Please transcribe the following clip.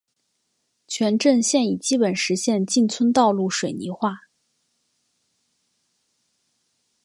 全镇现已基本实现进村道路水泥化。